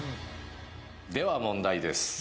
では問題です。